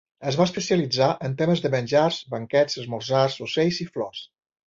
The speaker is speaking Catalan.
Es va especialitzar en temes de menjars, banquets, esmorzars, ocells i flors.